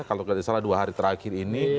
kalau tidak salah dua hari terakhir ini